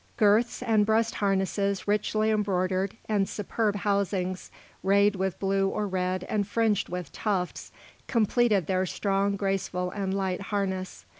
Girths and breast harnesses richly embroidered, and superb housings rayed with blue or red and fringed with tufts, completed their strong, graceful, and light harness.